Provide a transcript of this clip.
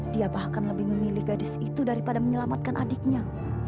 dia bahkan lebih memilih gadis itu daripada menyelamatkan adiknya